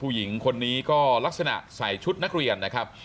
ผู้หญิงคนนี้ก็ลักษณะใส่ชุดนักเรียนนะครับ